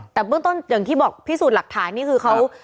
แต่เบื้องต้นอย่างที่บอกพิสูจน์หลักฐานนี่คือเขา